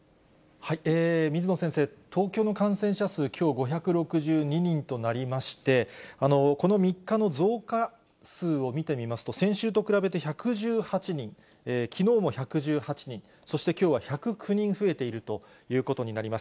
水野先生、東京の感染者数、きょう５６２人となりまして、この３日の増加数を見てみますと、先週と比べて１１８人、きのうも１１８人、そしてきょうは１０９人増えているということになります。